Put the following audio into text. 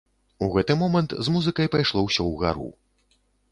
У гэты момант з музыкай пайшло ўсё ўгару.